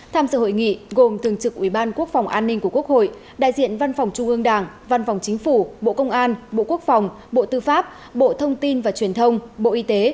tham dự hội nghị gồm thường trực ubnd của quốc hội đại diện văn phòng trung ương đảng văn phòng chính phủ bộ công an bộ quốc phòng bộ tư pháp bộ thông tin và truyền thông bộ y tế